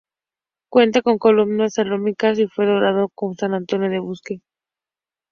Cuenta con columnas salomónicas y fue dorado por Juan Antonio del Bosque.